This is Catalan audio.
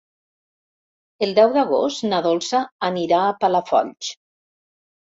El deu d'agost na Dolça anirà a Palafolls.